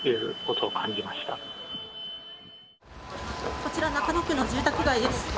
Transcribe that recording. こちら、中野区の住宅街です。